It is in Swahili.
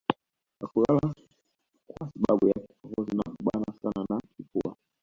Hakulala kwa sababu ya kikohozi na kubanwa sana na kifua